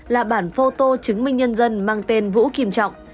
là bản phô tô chứng minh nhân dân mang tên vũ kim trọng